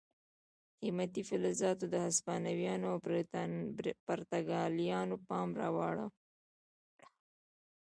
قیمتي فلزاتو د هسپانویانو او پرتګالیانو پام را اړاوه.